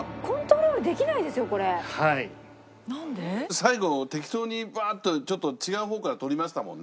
最後適当にバーッとちょっと違う方から取りましたもんね。